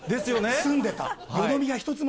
澄んでた。